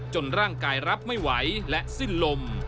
ร่างกายรับไม่ไหวและสิ้นลม